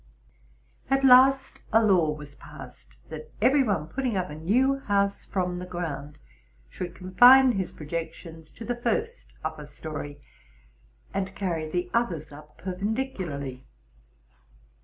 At last a law was passed, that every one putting up a new house from the ground, should confine his projections to the first upper story, and carry the others up perpendicularly.